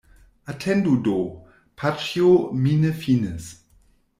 Atendu do, paĉjo, mi ne finis.